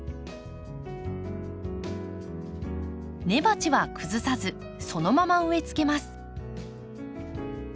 根鉢は崩さずそのまま植えつけます。